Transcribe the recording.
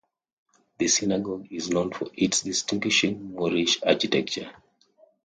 The synagogue is known for its distinguishing Moorish architecture.